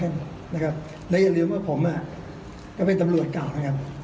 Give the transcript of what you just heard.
กันนะครับแล้วยังเหลือว่าผมอ่ะก็เป็นตำรวจเก่านะครับ